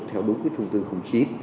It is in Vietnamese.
theo đúng thông tin khủng trí